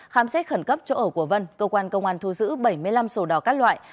khám xét khẩn cấp chỗ ở của vân cơ quan công an thu giữ bảy mươi năm sổ đỏ các loại